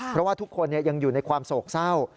เพราะว่าทุกคนยังอยู่ในความโศกเศร้า